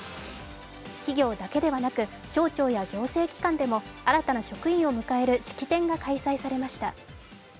企業だけではなく、省庁や行政機関でも新たな職員を迎える式典が開催されました。